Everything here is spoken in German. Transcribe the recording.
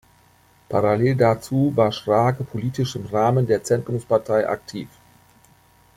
Parallel dazu war Schrage politisch im Rahmen der Zentrumspartei aktiv.